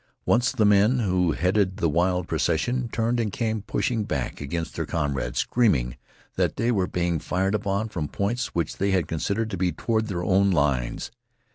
Once the men who headed the wild procession turned and came pushing back against their comrades, screaming that they were being fired upon from points which they had considered to be toward their own lines.